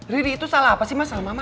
riri itu salah apa sih masalah mama